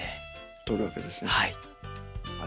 撮るわけですね？